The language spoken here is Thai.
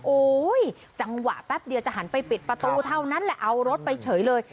จังหวะแป๊บเดียวจะหันไปปิดประตูเท่านั้นแหละเอารถไปเฉยเลย